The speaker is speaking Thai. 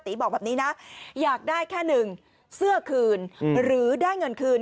บอกแบบนี้นะอยากได้แค่หนึ่งเสื้อคืนหรือได้เงินคืน